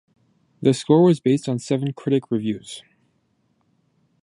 The score was based on seven critic reviews.